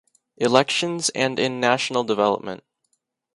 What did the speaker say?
Elections and in national development.